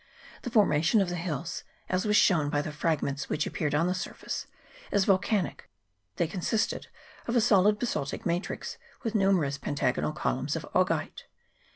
The formation of the hills, as was shown by the fragments which appeared on the surface, is volcanic : they consisted of a solid basaltic matrix, with numerous pentagonal columns of augite.